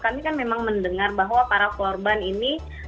kami kan memang mendengar bahwa para korban ini